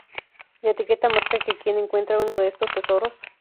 La etiqueta marca que quien encuentra uno de estos tesoros.